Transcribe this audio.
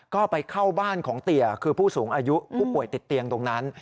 ก็ไปเข้าบ้านของเตี๋ยคือผู้สูงอายุผู้ป่วยติดเตียงตรงนั้น